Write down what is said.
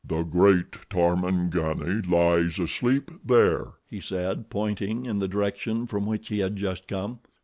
"The great Tarmangani lies asleep there," he said, pointing in the direction from which he had just come.